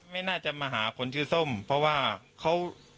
ไม่น่าจะมาหาคนชื่อส้มเพราะว่าเขา